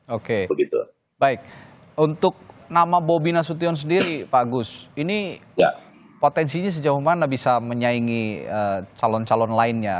oke baik untuk nama bobi nasution sendiri pak agus ini potensinya sejauh mana bisa menyaingi calon calon lainnya